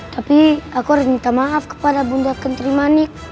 tapi aku harus minta maaf kepada ibu nda kenterimanik